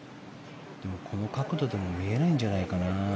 この角度じゃ見えないんじゃないかな。